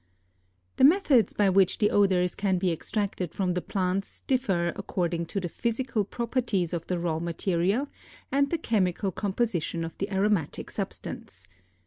The methods by which the odors can be extracted from the plants differ according to the physical properties of the raw material and the chemical composition of the aromatic substance.